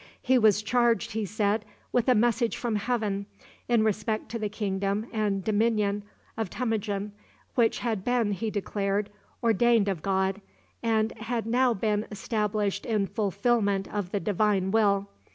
He was charged, he said, with a message from heaven in respect to the kingdom and dominion of Temujin, which had been, he declared, ordained of God, and had now been established in fulfillment of the Divine will.